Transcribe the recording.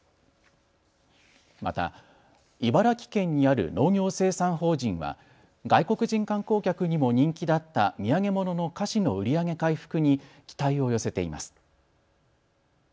また茨城県にある農業生産法人は外国人観光客にも人気だった土産物の菓子の売り上げ回復に期待を寄せています。